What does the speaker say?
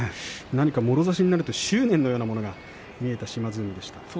何かもろ差しになると執念のようなものがある島津海でしたね。